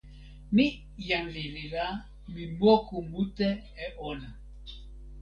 mi jan lili la, mi moku mute e ona.